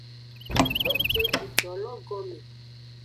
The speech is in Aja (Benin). E je edolo gome.